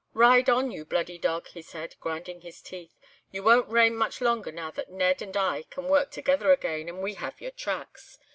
'Ride on, you bloody dog!' he said—grinding his teeth—'you won't reign much longer now that Ned and I can work together again, and we have your tracks.